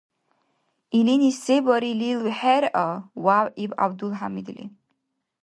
— Илини се барилил хӀеръа! — вявъиб ГӀябдулхӀямидли.